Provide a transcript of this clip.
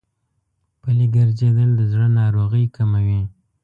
پلي ګرځېدل د زړه ناروغۍ کموي.